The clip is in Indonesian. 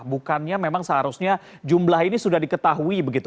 bukannya memang seharusnya jumlah ini sudah diketahui begitu